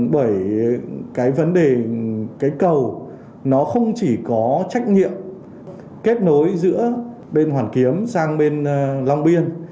bởi cái vấn đề cái cầu nó không chỉ có trách nhiệm kết nối giữa bên hoàn kiếm sang bên long biên